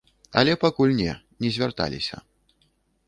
Але пакуль не, не звярталіся.